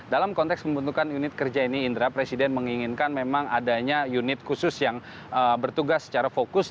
dalam konteks pembentukan unit kerja ini indra presiden menginginkan memang adanya unit khusus yang bertugas secara fokus